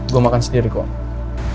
gue makan sendiri kok